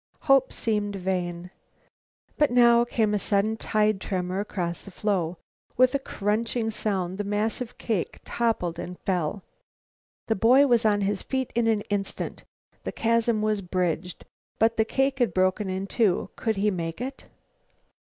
Hope seemed vain. But now came a sudden tide tremor across the floe. With a crunching sound the massive cake toppled and fell. The boy was on his feet in an instant. The chasm was bridged. But the cake had broken in two. Could he make it?